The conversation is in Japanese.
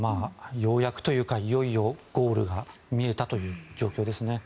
ようやくというかいよいよゴールが見えたという状況ですね。